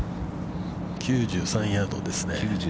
◆９３ヤードですね。